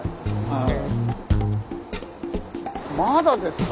はい。